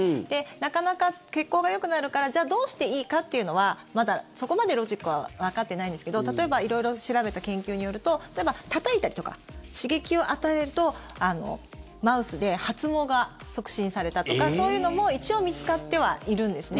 なかなか、血行がよくなるからじゃあどうしていいかというのはまだそこまでロジックはわかってないんですけど例えば色々調べた研究によるとたたいたりとか刺激を与えるとマウスで発毛が促進されたとかそういうのも一応見つかってはいるんですね。